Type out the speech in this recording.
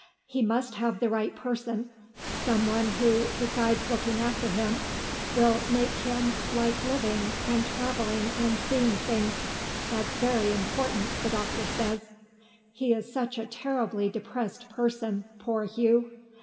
"He must have the right person. Someone who, besides looking after him, will make him like living and travelling and seeing things. That's very important, the doctor says. He is such a terribly depressed person, poor Hugh.